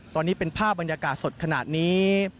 ตอนนี้เป็นภาพบรรยากาศสดขนาดนี้